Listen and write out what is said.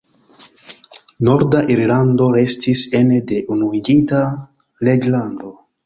Norda Irlando restis ene de Unuiĝinta Reĝlando.